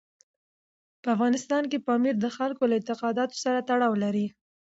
په افغانستان کې پامیر د خلکو له اعتقاداتو سره تړاو لري.